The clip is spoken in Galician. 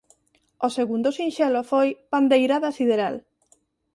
O segundo sinxelo foi "Pandeirada sideral".